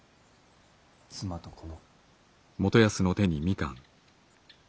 妻と子の。